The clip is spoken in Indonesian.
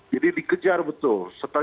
jadi dikejar betul